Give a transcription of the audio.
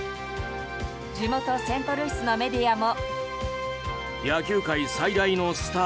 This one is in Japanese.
地元セントルイスのメディアも。